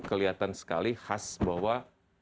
kelihatan sekali khas bahwa